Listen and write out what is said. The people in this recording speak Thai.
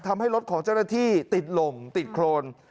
ทำให้รถของเจ้าหน้าที่ติดลมติดโครน